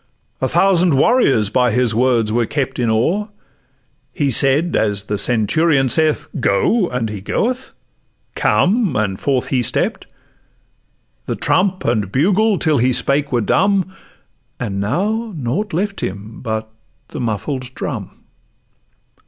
A thousand warriors by his word were kept In awe: he said, as the centurion saith, "Go," and he goeth; "come," and forth he stepp'd. The trump and bugle till he spake were dumb— And now nought left him but the muffled drum.